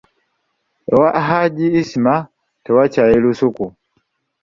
Ewa Hajji Ismah tewakyali lusuku.